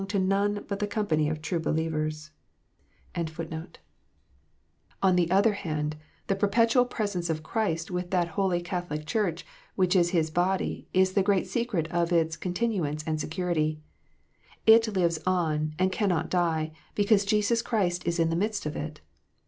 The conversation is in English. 197 On the other hand, the perpetual presence of Christ with that Holy Catholic Church, which is His body, is the great secret of its continuance and security. It lives on, and cannot die, because Jesus Christ is in the midst of it.